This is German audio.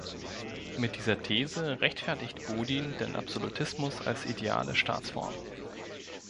Mit dieser These rechtfertigt Bodin den Absolutismus als ideale Staatsform.